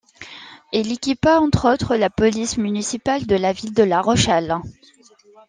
Il équipa entre autres la police municipale de la ville de La Rochelle.